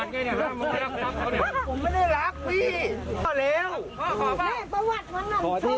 ถ้าเค้าไม่เห็นจะเลี้ยวมาไหมเนี่ย